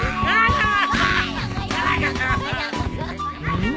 うん？